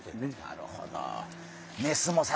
なるほど。